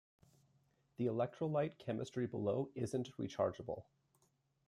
The electrolyte chemistry below isn't rechargeable.